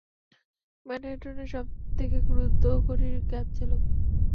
ম্যানহাটনের সবথেকে দ্রুতগতির ক্যাবচালক।